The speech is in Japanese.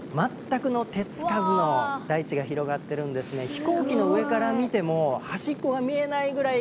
飛行機の上から見ても端っこが見えないぐらい